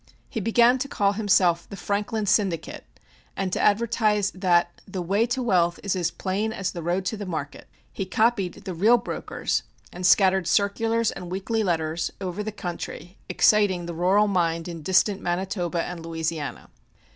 He began to call himself "The Franklin Syndicate," and to advertise that "the way to wealth is as plain as the road to the market." He copied the real brokers and scattered circulars and "weekly letters" over the country, exciting the rural mind in distant Manitoba and Louisiana.